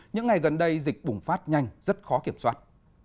những ngày gần đây dịch bùng phát nhanh rất khó kiểm soát